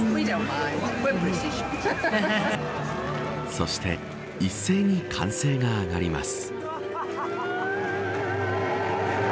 そして一斉に歓声が上がります。